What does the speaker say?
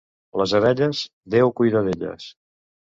Les abelles, Déu cuida d'elles.